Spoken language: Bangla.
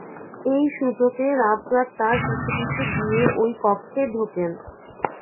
এই সুযোগে রাজ্জাক তার পিছু পিছু গিয়ে ওই কক্ষে ঢোকেন।